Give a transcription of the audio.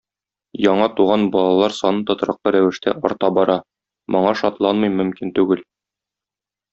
Яңа туган балалар саны тотрыклы рәвештә арта бара, моңа шатланмый мөмкин түгел.